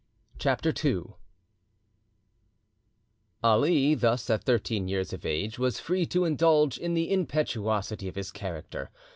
CHAPTER II Ali thus at thirteen years of age was free to indulge in the impetuosity of his character.